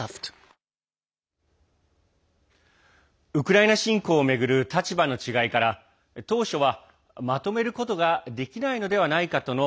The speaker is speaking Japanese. ウクライナ侵攻を巡る立場の違いから当初は、まとめることができないのではないかとの